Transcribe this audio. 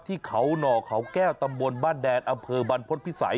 ที่เขาหน่อเขาแก้วตำบลบ้านแดนอำเภอบรรพฤษภิษัย